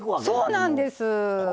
そうなんです。